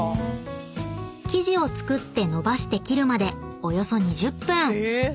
［生地を作って延ばして切るまでおよそ２０分］